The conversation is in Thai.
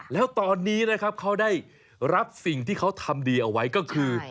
แล้วตอนนี้นะครับเขาได้รับสิ่งที่เขาทำดีเอาไว้ก็คือ